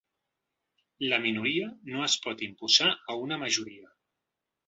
Una minoria no es pot imposar a una majoria.